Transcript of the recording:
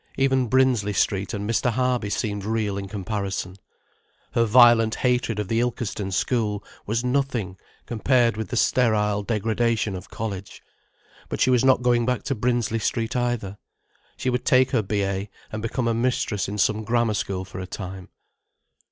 Even Brinsley Street and Mr. Harby seemed real in comparison. Her violent hatred of the Ilkeston School was nothing compared with the sterile degradation of college. But she was not going back to Brinsley Street either. She would take her B.A., and become a mistress in some Grammar School for a time.